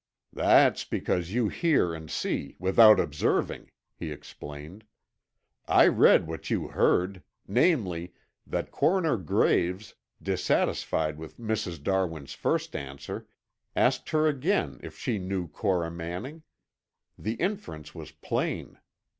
"That's because you hear and see without observing," he explained. "I read what you heard: namely, that Coroner Graves, dissatisfied with Mrs. Darwin's first answer, asked her again if she knew Cora Manning. The inference was plain.